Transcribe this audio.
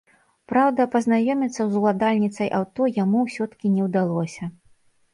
Праўда, пазнаёміцца з уладальніцай аўто яму ўсё-ткі не ўдалося.